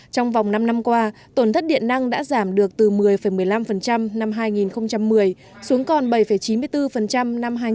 trong vòng năm năm qua tổn thất điện năng đã giảm được từ một mươi một mươi năm năm hai nghìn một mươi xuống còn bảy chín mươi bốn năm hai nghìn một mươi bảy